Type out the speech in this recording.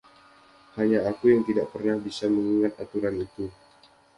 Hanya aku yang tidak pernah bisa mengingat aturan itu.